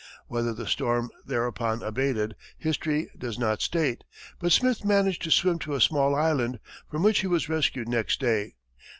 Whether the storm thereupon abated, history does not state, but Smith managed to swim to a small island, from which he was rescued next day.